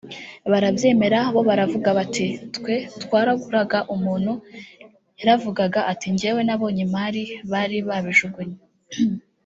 barabyemera bo baravuga bati ‘twe twaraguraga’ umuntu yaravugaga ati ‘njyewe nabonye imari bari babijugunye